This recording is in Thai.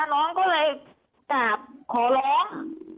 น้องก็เลยกราบขอร้อง